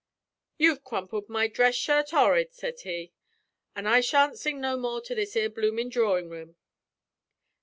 "You've crumpled my dress shirt 'orrid," said he; "an' I shan't sing no more to this 'ere bloomin' drawin' room."